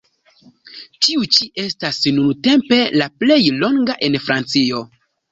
Tiu ĉi estas nuntempe la plej longa en Francio.